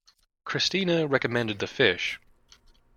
Christina recommended the fish.